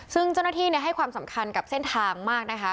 ซึ่งเจ้าหน้าที่ให้ความสำคัญกับเส้นทางมากนะคะ